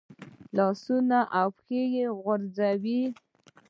لاسونه او پښې ورغوڅوي.